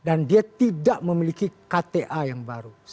dan dia tidak memiliki kta yang baru